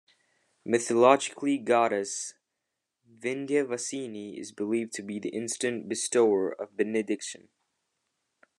Mythologically goddess Vindhyavasini is believed to be the instant bestower of benediction.